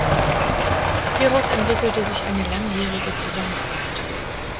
Hieraus entwickelte sich eine langjährige Zusammenarbeit.